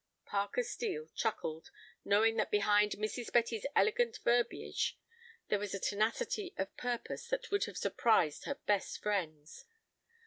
Parker Steel chuckled, knowing that behind Mrs. Betty's elegant verbiage there was a tenacity of purpose that would have surprised her best friends.